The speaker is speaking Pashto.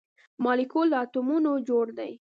مالیکول له اتومونو جوړ دی